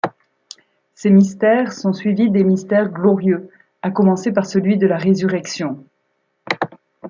Ces mystères sont suivis des mystères glorieux, à commencer par celui de la Résurrection.